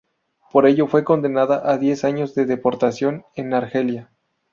Por ello fue condenada a diez años de deportación en Argelia.